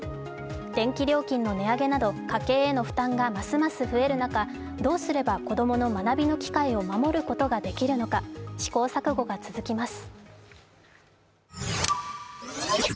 電気料金の値上げなど家計への負担がますます増える中どうすれば子供の学びの機会を守ることができるのか、試行錯誤が続きます。